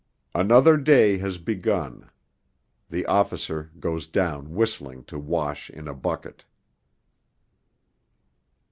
Another day has begun; the officer goes down whistling to wash in a bucket.